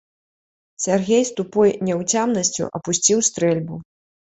Сяргей з тупой няўцямнасцю апусціў стрэльбу.